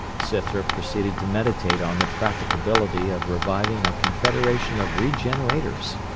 Scythrop proceeded to meditate on the practicability of reviving a confederation of regenerators.